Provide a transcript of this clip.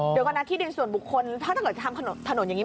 เดี๋ยวก่อนนะที่ดินส่วนบุคคลถ้าเกิดทำถนนอย่างนี้